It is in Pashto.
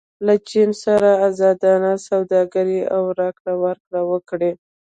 له چین سره ازادانه سوداګري او راکړه ورکړه وکړئ.